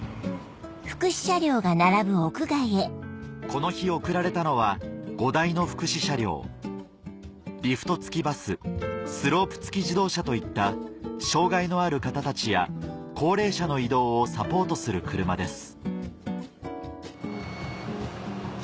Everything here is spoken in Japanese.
この日贈られたのは５台の福祉車両リフト付きバススロープ付き自動車といった障がいのある方たちや高齢者の移動をサポートする車です